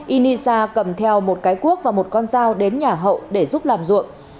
inisa cầm theo một cái cuốc và một con dao đến nhà hậu để giúp làm ruộng